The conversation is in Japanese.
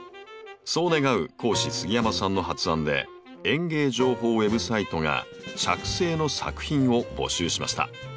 そう願う講師杉山さんの発案で園芸情報ウェブサイトが着生の作品を募集しました。